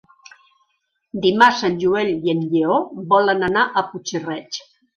Dimarts en Joel i en Lleó volen anar a Puig-reig.